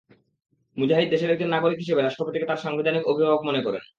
মুজাহিদ দেশের একজন নাগরিক হিসেবে রাষ্ট্রপতিকে তাঁর সাংবিধানিক অভিভাবক মনে করেন।